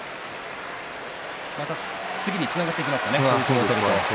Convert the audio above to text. また次につながっていきますね。